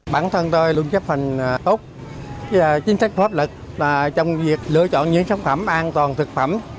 bản thân tôi luôn chấp hành tốt chính sách pháp lực trong việc lựa chọn những sản phẩm an toàn thực phẩm